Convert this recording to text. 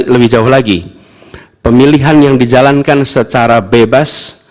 lebih jauh lagi pemilihan yang dijalankan secara bebas